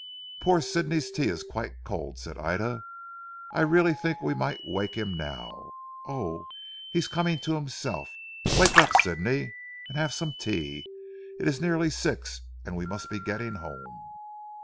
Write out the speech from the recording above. "Poor Sidney's tea is quite cold," said Ida. "I really think we might wake him now. Oh, he is coming to himself. Wake up Sidney, and have some tea. It is nearly six and we must be getting home."